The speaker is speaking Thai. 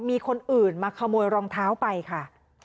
มีคนอื่นมาขโมยรองเท้าไปค่ะ